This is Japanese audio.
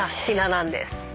なんです。